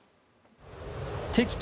敵地